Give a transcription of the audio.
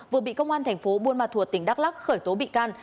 vừa bị công an thành phố buôn ma thuột tỉnh đắk lắc khởi tố bị can